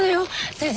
先生